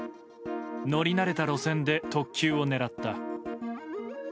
乗り慣れた路線で特急を狙った。